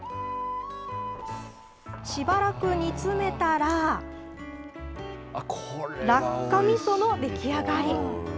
しばらく煮詰めたら、らっかみその出来上がり。